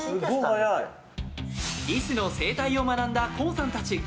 リスの生態を学んだＫＯＯさんたち。